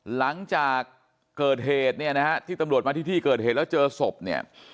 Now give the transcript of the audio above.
หลังจากเกิดเหตุเนี่ยนะฮะที่ตำรวจมาที่ที่เกิดเหตุแล้วเจอศพเนี่ย